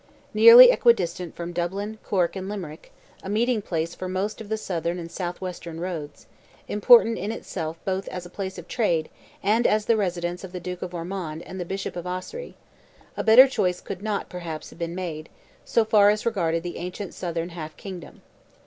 Nearly equidistant from Dublin, Cork, and Limerick, a meeting place for most of the southern and south western roads, important in itself both as a place of trade, and as the residence of the Duke of Ormond and the Bishop of Ossory, a better choice could not, perhaps, have been made, so far as regarded the ancient southern "Half Kingdom."